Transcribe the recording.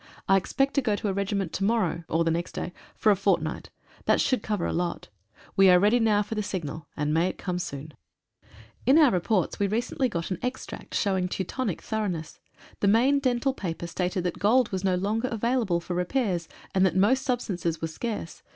I expect to go to a regiment to morrow, or the next day, for a fortnight. That should cover a lot. We are ready now for the signal, and may it come soon. EXPERIENCE TEACHES. In our reports we recently got an extract showing Teutonic thoroughness. The main dental paper stated that gold was no longer available for repairs, and that most substances were scarce.